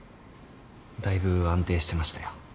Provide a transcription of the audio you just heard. だいぶ安定してましたよ。